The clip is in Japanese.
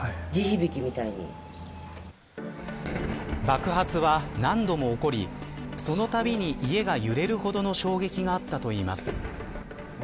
爆発は何度も起こりそのたびに家が揺れるほどの衝撃があったといいます。